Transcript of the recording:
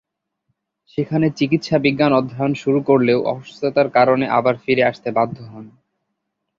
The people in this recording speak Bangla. সেখানে চিকিৎসাবিজ্ঞান অধ্যয়ন শুরু করলেও অসুস্থতার কারণে আবার ফিরে আসতে বাধ্য হন।